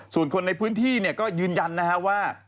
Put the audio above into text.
ส่วนคนในพื้นที่ก็ยืนยันนะฮะว่า